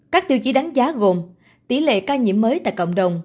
các tiêu chí đánh giá gồm tỷ lệ ca nhiễm mới tại cộng đồng